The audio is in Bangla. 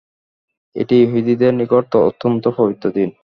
এটি ইহুদীদের নিকট অত্যন্ত পবিত্র দিন।